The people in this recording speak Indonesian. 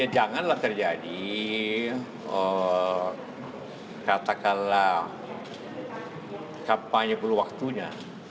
janganlah terjadi katakanlah kampanye perlu waktunya